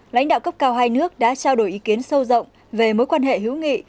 lãnh đạo cấp cao hai nước đã trao đổi ý kiến sâu rộng về mối quan hệ hữu nghị